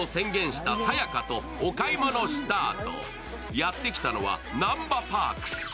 やってきたのは、なんばパークス